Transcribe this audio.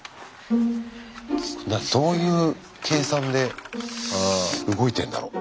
どういう計算で動いてんだろう。